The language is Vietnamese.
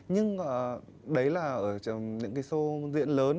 nhưng đấy là ở những cái show diễn lớn